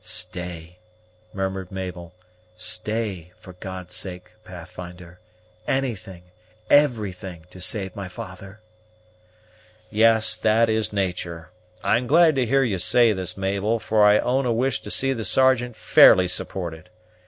"Stay," murmured Mabel, "stay, for God's sake, Pathfinder! Anything, everything to save my father!" "Yes, that is natur'. I am glad to hear you say this, Mabel, for I own a wish to see the Sergeant fairly supported.